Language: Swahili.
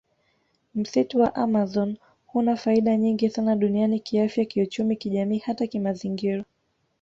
Msitu wa amazon huna faida nyingi sana duniani kiafya kiuchumi kijamii hata kimazingira